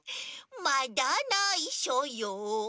まだないしょよ